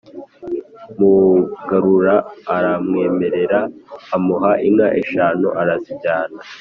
mugarura aramwemerera, amuha inka eshanu, arazijyana.